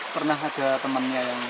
pernah ada temannya yang